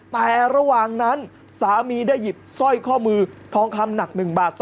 แต่ระหว่างนั้นสามีได้หยิบสร้อยข้อมือทองคำหนัก๑บาท